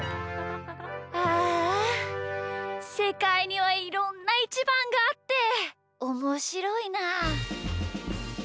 ああせかいにはいろんなイチバンがあっておもしろいな。